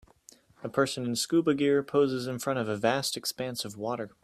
A person in SCUBA gear poses in front of a vast expanse of water